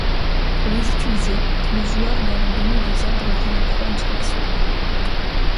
Pour les utiliser, le joueur doit leur donner des ordres via la croix directionnelle.